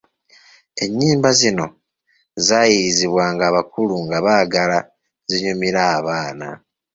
Ennyimba zino zayiyizibwanga bakulu nga baagala zinyumire abaana.